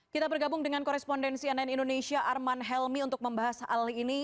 kita bergabung dengan korespondensi ann indonesia arman helmi untuk membahas hal ini